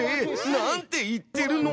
何て言ってるの？